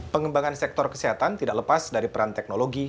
pengembangan sektor kesehatan tidak lepas dari peran teknologi